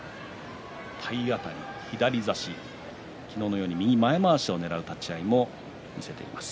体当たり左差し昨日のように右前まわしをねらう立ち合いも見せています。